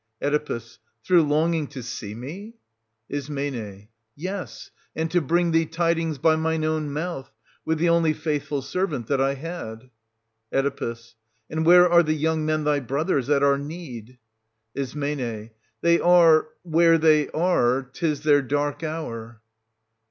Oe. Through longing to see me } Is. Yes, and to bring thee tidings by mine own mouth, — with the only faithful servant that I had. Oe. And where are the young men thy brothers at our need '^. Is. They are — where they are : 'tis their dark hour.